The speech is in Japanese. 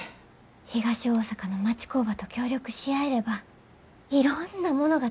東大阪の町工場と協力し合えればいろんなものが作れます。